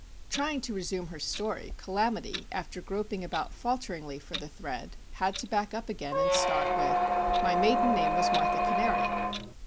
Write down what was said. Trying to resume her story, "Calamity," after groping about falteringly for the thread, had to back up again and start with "My maiden name was Martha Cannary."